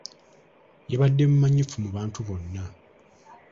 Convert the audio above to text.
Yabadde mumanyifu mu bantu bonna.